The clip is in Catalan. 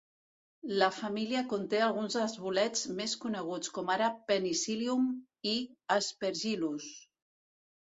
La família conté alguns dels bolets més coneguts, com ara "Penicillium" i "Aspergillus".